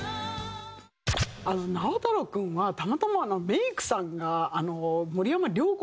直太朗君はたまたまメイクさんが。